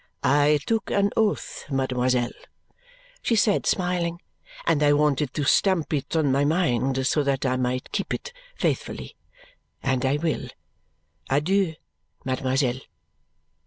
"I took an oath, mademoiselle," she said, smiling, "and I wanted to stamp it on my mind so that I might keep it faithfully. And I will! Adieu, mademoiselle!"